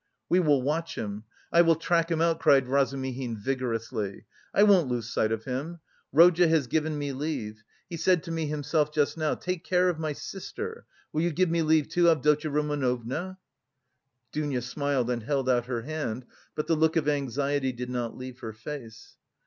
"We will watch him! I will track him out!" cried Razumihin, vigorously. "I won't lose sight of him. Rodya has given me leave. He said to me himself just now. 'Take care of my sister.' Will you give me leave, too, Avdotya Romanovna?" Dounia smiled and held out her hand, but the look of anxiety did not leave her face.